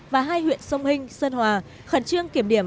và hai huyện sông hinh sơn hòa khẩn trương kiểm điểm